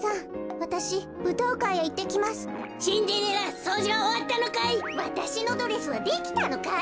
わたしのドレスはできたのかい？